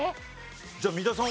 じゃあ三田さん